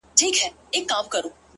د وحشت؛ په ښاریه کي زندگي ده؛